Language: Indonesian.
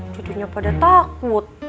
jadinya pada takut